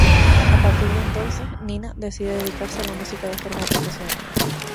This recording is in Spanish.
A partir de entonces, Nina, decide dedicarse a la música de forma profesional.